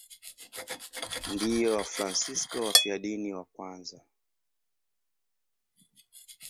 Ndio Wafransisko wafiadini wa kwanza.